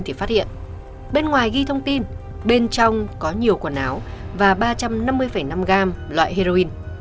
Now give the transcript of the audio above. thì phát hiện bên ngoài ghi thông tin bên trong có nhiều quần áo và ba trăm năm mươi năm gram loại heroin